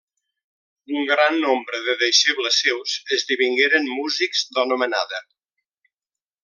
Un gran nombre de deixebles seus esdevingueren músics d'anomenada.